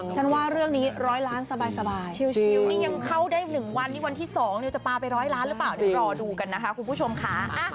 ฉันว่าเรื่องนี้๑๐๐ล้านสบายชิวนี่ยังเข้าได้๑วันนี้วันที่๒จะปลาไปร้อยล้านหรือเปล่าเดี๋ยวรอดูกันนะคะคุณผู้ชมค่ะ